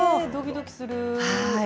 ドキドキする。